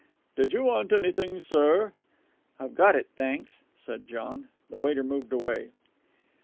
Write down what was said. "Did you want anything, sir?" "I've got it, thanks," said John. The waiter moved away.